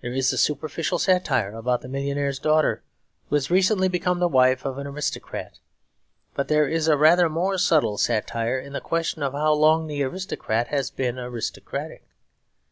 There is a superficial satire about the millionaire's daughter who has recently become the wife of an aristocrat; but there is a rather more subtle satire in the question of how long the aristocrat has been aristocratic.